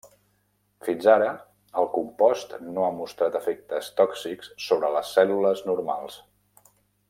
Fins ara, el compost no ha mostrat efectes tòxics sobre les cèl·lules normals.